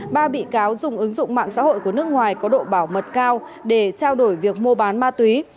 ba bị cáo dùng ứng dụng mạng xã hội của nước ngoài có độ bảo mật cao để trao đổi việc mua bán ma túy